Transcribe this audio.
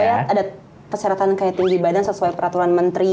oh iya ada persyaratan kayak tinggi badan sesuai peraturan menteri